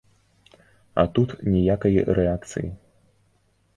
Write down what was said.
А тут ніякай рэакцыі.